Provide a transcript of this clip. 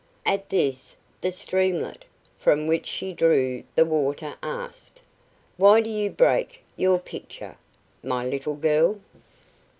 At this the streamlet, from which she drew the water, asked: "Why do you break your pitcher, my little girl?"